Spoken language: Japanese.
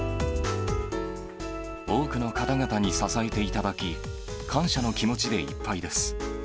多くの方々に支えていただき、感謝の気持ちでいっぱいです。